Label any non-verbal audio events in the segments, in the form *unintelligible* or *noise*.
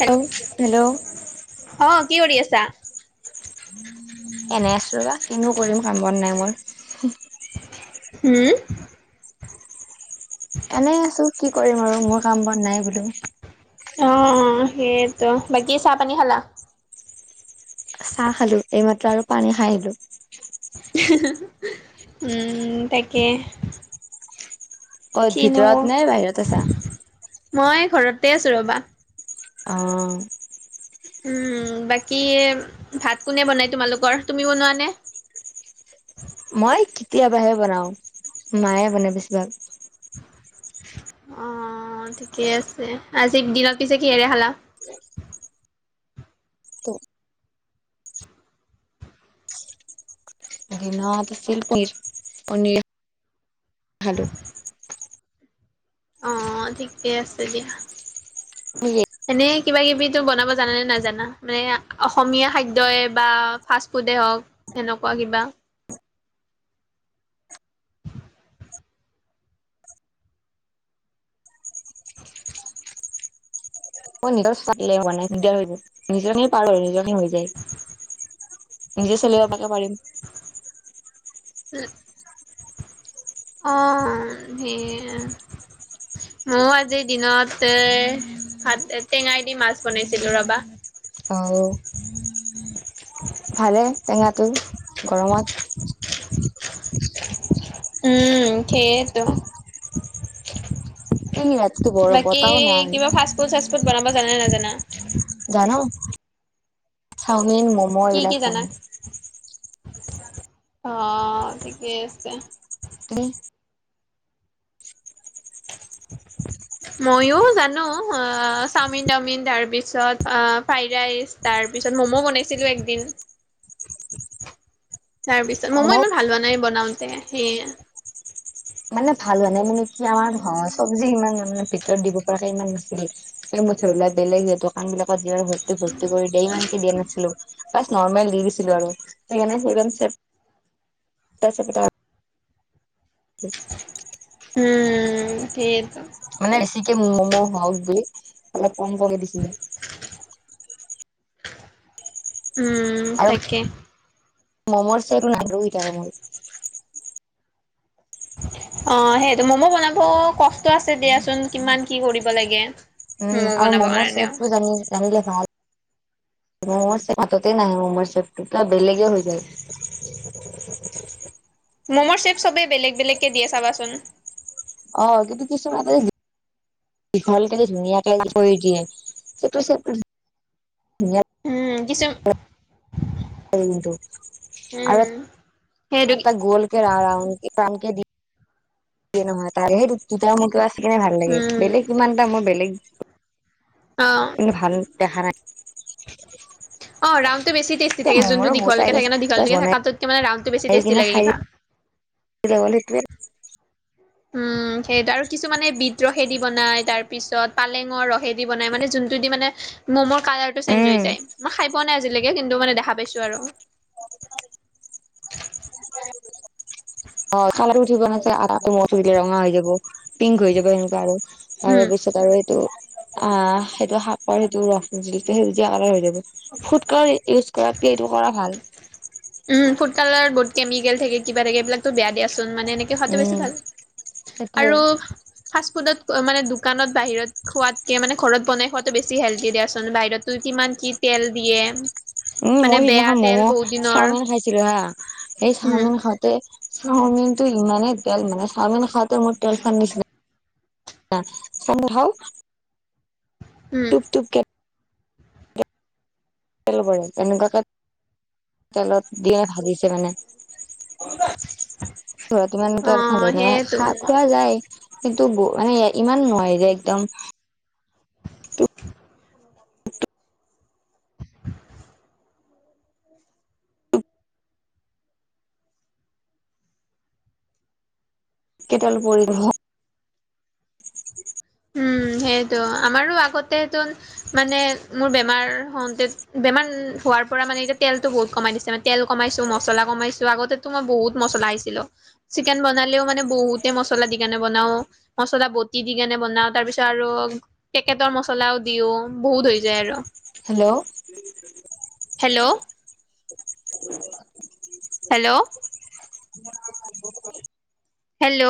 হেল hello hello অ কি কৰি আছা? এনে আছো বা কিনো কৰিম কাম বন নাই মোৰ। হুউম এনেই আছো কি কৰিম আৰু মোৰ কাম বন নাই বোলো। অ অ সেইটো বাকী চাহ পানী খালা? চাহ খালো এইমাত্ৰ আৰু পানী খাই আহিলো। হি হি হি উম তাকে ক'ত কিনো ভিতৰত কও নে বাহিৰত আছা মই ঘৰতে আছো ৰবা। অ উম বাকী ভাত কোনে বনাই তোমালোকৰ তুমি বনোৱা নে? মই কেতিয়াবাহে বনাও মায়ে বনাই বেছি ভাগ। অ ঠিকে আছে আজি দিনত পিছে কিহেৰে খালা? দিনত আছিল পনীৰ পনীৰ খালো। অ ঠিকে আছে দিয়া। নেকি এনে কিবা কিবি টো বনাব জানানে নাজানা মানে অসমীয়া খাদ্যই বা ফাষ্ট-ফুডে হওক সেনকুৱা কিবা মই নিজৰ *unintelligible* হোৱা নাই দিগদাৰ হৈ নিজৰখিনি পাৰো আৰু নিজৰখিনি হৈ যায় নিজে চলিব পৰাকে পাৰিম। উম অ সেয়ে মইআজিৰ দিনত এ হাত টেঙাই দি মাছ বনাইছিলো ৰবা অ ভালে টেঙাটো গৰমত উম সেইয়েতো এই ৰাতিটো বৰ বাকী বতাহও নাই কিবা ফাষ্ট-ফুড চাষ্ট-ফুড বনাব জানে নাজানা জানো চাওমিন, মম কি কি এইবিলাক জানা জানো অ ঠিকেই আছে। বৈ মইও জানো আ চাওমিন তাওমিন তাৰ পিছত ফ্ৰাইড ৰাইচ তাৰ পিছত ম'ম বনাইছিলো একদিন তাৰপিছত ম'ম আমাৰ ইমান ভাল হোৱা নাই বনাওঁতে সেয়ে মানে ভাল হোৱা নাই মানে কি আমাৰ ঘৰ চবজি ইমান মানে ভিতৰত দিব পৰাকে ইমান নাছিল। এই মছৰ বিলাক বেলেগ যে দোকান বিলাকত যিমান ভৰ্তি ভৰ্তি কৰি দিয়ে ইমানকে দিয়া নাছিলো ফাষ্ট নৰ্মেল দি দিছিলো আৰু সেইকাৰণে ইমান চেপেটা চেপেটা উ উম সেইতো মানে বেছিকে ম'ম' হওক বুলি অলপ কম কমকে দিছিলো উম আৰু তাকে মমৰ চটটো *unintelligible* থাকে মোৰ অ সেইটো মম' বনাব কষ্ট আছে দিয়াচোন কিমান কি কৰিব লাগে উম ম'ম' আৰু বনাব মমৰ কাৰণেও চেপটো জানি জানিলে ভাল মমৰ সেপা টোৱে নাহে ম'মৰ সেপটো বেলেগে হৈ যায় ম'মৰ চেপ চবেই বেলেগ বেলেগকে দিয়ে চাবাচোন অ কিন্তু কিছুমানে দীঘল কে ধুনীয়াকে কৰি দিয়ে সেইটো চেপ উম কিছুম কিন্তু আৰু সেইটো এটা গল কে ৰা ৰাউণ্ডকে দিয়ে নহয় তাৰেহে দুটা মই কিবা সেকানে ভাল লাগে উম বেলেগ ইমান এটা মই বেলেগ অ কিন্তু ভাল দেখা নাই অ ৰাউণ্ডটো বেছি টেষ্টি থাকে যোনটো মমৰো বহুত দীঘলকে ষ্টাইল থাকে আছে ন বাচ দীঘলকে বনাই থাকাটোকে মানে ৰাউণ্ডটো বেছি টেষ্টি লাগে কিবা দুটা গ'ল সেইটোৱে উম সেই আৰু কিছু মানে বিট ৰসেদি বনাই তাৰ পিছত পালেঙৰ ৰসেদি বনাই মানে যোনটো দি মানে মম কালাৰটো চেঞ্জ উম হৈ যায় মই খাই পোৱা নাই আজিলৈকে কিন্তু মানে দেখা পাইছোঁ আৰু *inaudible* অ কালাৰো উঠিব বনাইছে আদটো মচি দিলে ৰঙা হৈ যাব পিংক হৈ যাব সেনেকুৱা আৰু উম তাৰ পিছত আৰু এইটো আ সেইটো শাকৰ সেইটো ৰস জিটো সেউজীয়া কালাৰ হৈ যাব ফুট ক্লাৰ ইউজ কৰাতকে এইটো কৰা ভাল উম ফুড কালাৰ বহুত কেমিকেল থাকে কিবা থাকে এইবিলাকতো বেয়া দিয়াচোন মানে এনেকে খোৱাটো উম বেছি ভাল সেইটোৱে আৰু ফাষ্ট ফুডত মানে দোকানত বাহিৰত খোৱাতকে মানে ঘৰত বনাই খোৱাটো বেছি হেল্ডি দিয়া চোন বাহিৰত টো কিমান কি তেল দিয়ে উম মানে মই বেয়া সিদিনাখন তেল ম'ম' বহুত দিনৰ চাওমিন খাইছিলো হা সেই উম, চাওমিন খাও তে চাওমিন টো ইমানেই তেল মানে চাওমিন খাওঁতে মোৰ তেল খোৱাৰ নিচিনা *unintelligible* উম, টুপ টুপ কে তেল পৰে এনেকুৱাকে তেলত দিয়ে ভাজিছে মানে ঘৰতো ইমান তেল অ', খালে নহয় খা সেইয়েতো খোৱা যায় এইটো মানে ইমান নহয় যে একদম *unintelligible* কে তেল পৰিল *unintelligible* উম সেইটো আমাৰো আগতেতোন মানে মোৰ বেমাৰ হওঁতে বেমান হোৱাৰ পৰা মানে এতিয়া তেলতো বহুত কমাই দিছে মানে তেল কমাইছো মছলা কমাইছো আগতে তো মই বহুত মছলা খাইছিলো চিকেন বনালেও মানে বহুতে মছলা দি কেনে বনাও মচলা বটি দি কেনে বনাও তাৰ পিছত আৰু পেকেটৰ মছলাও দিও বহুত হৈ যায় আৰু। Hello. Hello. Hello. Hello.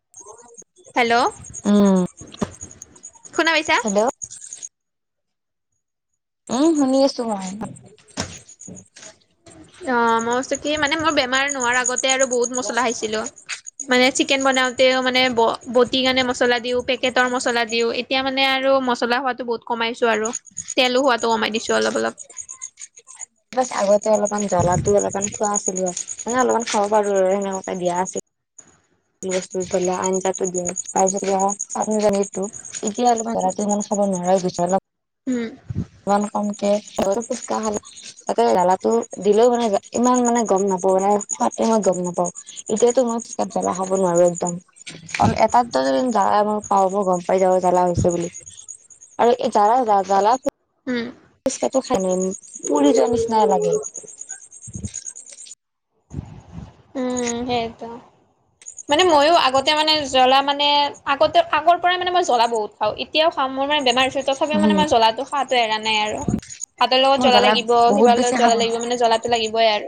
*inaudible* Hello উম শুনা পাইছা? হেল্ল' উম শুনি আছো মই। অ মই কৈছো কি মানে মোৰ বেমাৰ নোহোৱাৰ আগতে আৰু বহুত মচলা খাইছিলো। মানে চিকেন বনাওতে মানে ব বতি কেনি মচলা দিওঁ, পে- কেটৰ মছলা দিওঁ। এতিয়া মানে আৰু মছলা হোৱাটো বহুত কমাইছো আৰু তেলো হোৱাতো কমাই দিছো অলপ অলপ। বাছ আগতে অলপমান জ্বলাতো অলপমান খোৱা আছিলো আ মানে অলপমান খাব পাৰো *unintelligible* সেনেনকে দিয়া আছি টি বস্তু ইফালে আঞ্জাটো দিয়া তাৰপাছত কিবা পানি জানিটো এতিয়া অলপমান জনাটো ইমান খাব নোৱাৰা হৈ গৈছো অলপ উম। ইমান কম কে *unintelligible* জালাটো দিলেও মানে ইমান মানে গম নাপাও মানে সোৱাদ টেঙাও গম নাপাওঁ। এতিয়াতো মই পেট জ্বলা খাব নোৱাৰো একদম। অন এটাত *unintelligible* পাৰব গম পাইব জ্বালা হৈছে বুলি আৰু এ জলা যা জলাত উম। পুচকাটো খায় নিন পুৰি যোৱা নিচিনা লাগে। উম সেটো। মানে ময়ো আগতে মানে জ্বলা মানে আগতে আগৰ পৰাই মানে মই জ্বলা বহুত খাওঁ এতিয়াও খাওঁ মোৰ মানে বেমাৰ *unintelligible* তথাপি মানে উম মই জ্বলাটো খাওঁতে এৰা নাই আৰু হাতৰ লগত মই জ্বলা জ্বালা লাগিব বহুত কিবা লগত জ্বলা লাগিব মানে জ্বলা টো লাগিবই আৰ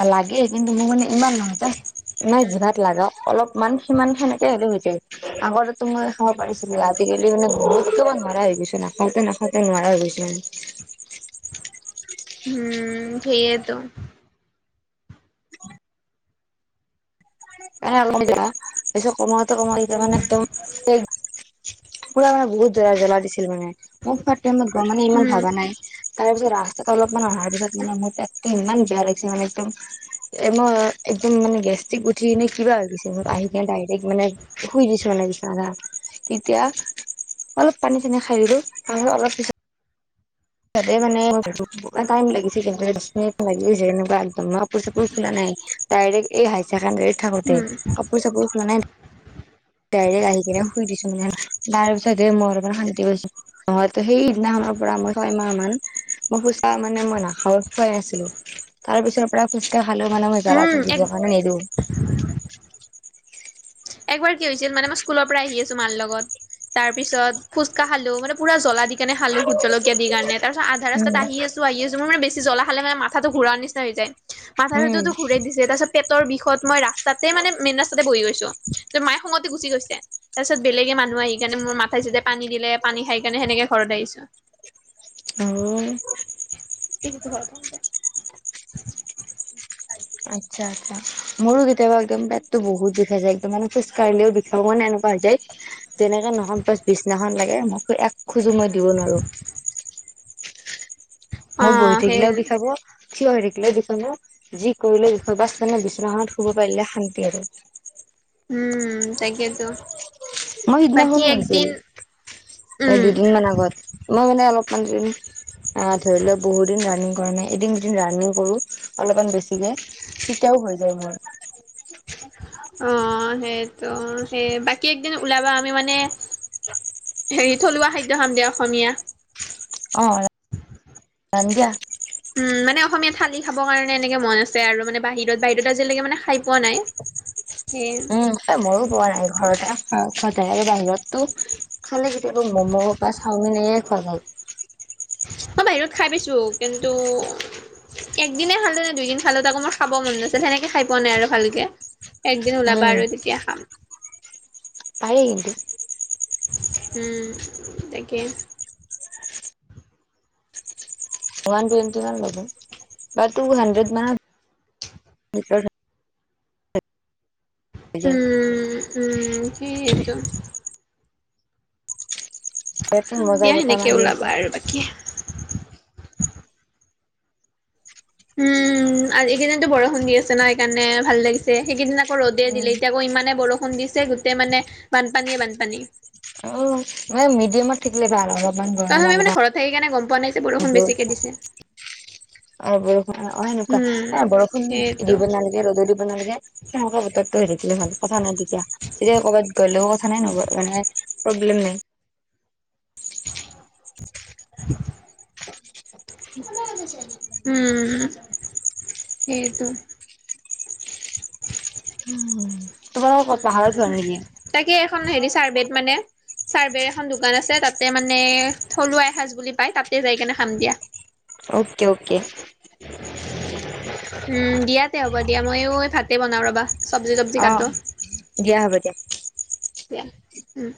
আ লাগে কিন্তু ম মানে ইমান নহয় তাছ নাই উম জিভাত লাগা অলপ ইমান সিমান সেনেকে হ'লে হৈ যায়। আগতো মই খাব পাৰিছিলো আজিকালি মানে বহুতমান নোৱাৰা হৈ গৈছো নাখাওঁতে নাখ- খাওঁতে নোৱাৰা হৈ গৈছো মানে। উম সেইয়েটো মানে অকপ জ্বলা পাছত কমাওতে কমাওতে ইতা মানে একদম *unintelligible* পুৰা মানে বহুত জ্বলা জ্বলা দিছিল মানে। *unintelligible* গ মানে ইমান উম ভবা নাই তাৰপিছত ৰাস্তাটো অলপমান অহাৰ পিছত মানে মোৰ পেট তে ইমান বেয়া লাগিছে মানে একদম এ মই একদম মানে গেছট্ৰিক থ্ৰি নি কিবা হৈ গৈছে মোৰ আহি কিনে ডাইৰেক্ট মানে শুই দিছো মানে বিছনাখানা তেতিয়া অলপ পানী চানী খাই দিলো আহো অলপ পিছত তাতে মানে *unintelligible* টাইম লাগিছে কিন্তু সেই দছ মিনিট লাগি যাই এনেকুৱা একদম মই কাপোৰ চাপোৰ খুলা নাই। ডাইৰেক্ট এই হাই ছেকেণ্ডেৰীত থাকোঁতে উম কাপোৰ চাপোৰ খুলা নাই। ডাইৰেক্ট আহি কিনে শুই দিছো মান তাৰ পিছতে মই অকণমান শান্তি গৈছো। অ হয় সেইদিনাখনৰ পৰা মই ছয় মাহ মান মই সোচা মানে মই নাখাৱত খোৱাই আছিলো তাৰ পিছৰপ পৰা পুচকা খালো মানে মই জলা উম এক দিব কাৰণে নিদো। একবাৰ কি হৈছিল মানে মই স্কুলৰ পৰা আহি আছো মাৰ লগত। তাৰ পিছত ফুচকা খালো মানে পুৰা জ্বলা দি কেনে খালো ভোট জলকীয়া দি কেনে। তাৰপিছত আধা ৰাস্তাত আহি আছো আহি আছো মোৰ মানে জ্বলা খালে মাথাটো ঘূৰুৱা নিচিনা হৈ যায়। উম মাথাটোতো ঘূৰাই দিছে তাৰ পিছত পেটৰ বিষত মই ৰাস্তাতে মানে মেইন ৰাস্তাতে বহি গৈছো। তাৰপাছত মায়ে খঙতে গুচি গৈছে। তাৰ পিছত বেলেগে মানুহ আহি কাৰণে মোৰ মাথাই চাথাই পানী দিলে পানী খাই কেনে সেনেকে ঘৰত আহিছো। অহ'। *unintelligible* আচ্ছা আচ্ছা, মোৰো কেতিয়াবা একদম পেটতো বহুত বিষাই যায়, একদম মানে খোজ কাঢ়িলেও বিষাই মানে এনেকুৱা হৈ যায়। যেনেকে নহওক বাচ বিচনাখন লাগে, মই এক খোজো মই দিব নোৱাৰো। অ মই বহি সেই থাকিলেও বিষাব, থিয় হৈ থাকিলেও বিষাব, যি কৰিলেও বিষাব, বাচ মানে বিচনাখনত শুব পাৰিলে শান্তি আৰু। উম তাকে ত'। মোৰ সেইদিনাখনো হৈছিল, এই উম দুদিন মান আগত। মই মানে অলপমান দিন, ধৰি লোৱা বহুত দিন ৰাণিং কৰা নাই। এদিন দুদিন ৰানিং কৰো অলপমান বেছিকে, তেতিয়াও হৈ যায় মোৰ। অঁ সেইটো, সেই বাকী একদিন ওলাবা আমি মানে, হেৰি থলুৱা খাদ্য খাম দিয়া অসমীয়া। অঁ, যাম দিয়া। উম মানে অসমীয়া থালি খাবৰ কাৰণে এনেকে মন আছে আৰু মানে বাহিৰত বাহিৰত আজিলৈকে মানে খাই পোৱা নাই। সেয়ে উম। এ মইয়ো পোৱা নাই ঘৰতে সদায় আৰু বাহিৰততো খালে কেতিয়াবা ম'ম, বা চাউমিন এয়ে খোৱা যায়। মই বাহিৰত খাই পাইছো কিন্তু, একদিনে খালো নে দুইদিন খালো তাকো মোৰ খাব মন নাছিল, সেনেকে খাই পোৱা নাই আৰু ভালকে। একদিন ওলাবা উম আৰু তেতিয়া খাম। পাৰি কিন্তু। উম, তাকে। ওৱান টুৱেন্টি মান ল'ব, বা টু হান্ড্ৰেড মানৰ ভিতৰত হৈ যায়। উম, উম কি এইটো ইয়াতে মজা দিয়া বতাহ সেনেকে মাৰি ওলাবা আছে আৰু বাকী। উম আজি এইকেইদিনটো বৰষুণ দি আছে না সেইকাৰণে ভাল লাগিছে। সেইকেইদিনা আকৌ ৰ'দে উম দিলে এতিয়া আকৌ ইমানে বৰষুণ দিছে গোটেই মানে বানপানীয়ে বানপানী। অ' মানে মেডিয়ামত থাকিলে ভাল অলপমান গৰম, আমি মানে অলপমান ঘৰত থাকি কেনে গম পোৱা নাই যে বৰষুণ ঠাণ্ডা। বেছিকে দিছে অ' বৰষুণ অ' সেনেকুৱা উম এ বৰষুণ সেইটো দিব নালাগে ৰ'দো দিব নালাগে। সেনেকুৱা বতৰটো হৈ থাকিলে ভাল কথা নাই তেতিয়া, তেতিয়া কৰ'বাত গ'লেও কথা নাই, নগলেও মানে প্ৰব্লেম নাই। *inaudible* *inaudible* উম সেইটো। উম, তোমালোকে ক'ত উম পাহাৰত যোৱা নেকি? তাকে এখন হেৰি চাৰ্বেত মানে, চাৰ্বেৰ এখন দোকান আছে, তাতে মানে থলুৱা এসাঁজ বুলি পায় তাতে যাই কিনে খাম দিয়া। Okay okay. উম্ দিয়াতে হ'ব দিয়া মইও এই ভাতেই বনাও ৰবা, চব্জি তবজি অ কাটো। দিয়া হ'ব দিয়া এয়া, উম্।